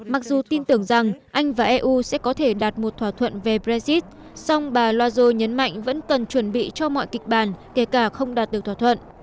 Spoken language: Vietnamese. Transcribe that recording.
mặc dù tin tưởng rằng anh và eu sẽ có thể đạt một thỏa thuận về brexit song bà loiseo nhấn mạnh vẫn cần chuẩn bị cho mọi kịch bản kể cả không đạt được thỏa thuận